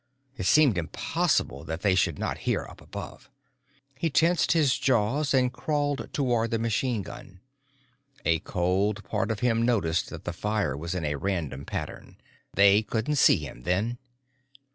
It seemed impossible that they should not hear up above. He tensed his jaws and crawled toward the machine gun. A cold part of him noticed that the fire was in a random pattern. They couldn't see him then.